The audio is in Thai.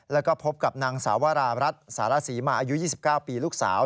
แล้วก็พบกับนางสาวรารัฐสารศรีมาอายุ๒๙ปีลูกสาว